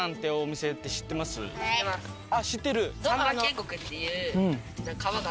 あっ知ってる？